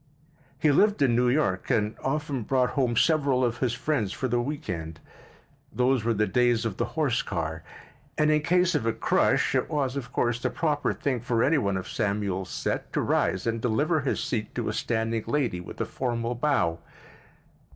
He lived in New York and often brought home several of his friends for the week end. Those were the days of the horse car and in case of a crush it was, of course, the proper thing for any one of Samuel's set to rise and deliver his seat to a standing lady with a formal bow.